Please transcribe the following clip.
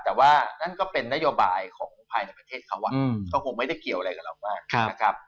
แต่ว่านั่นก็เป็นนโยบายของภายในประเทศเขาก็คงไม่ได้เกี่ยวอะไรกับเรามากนะครับ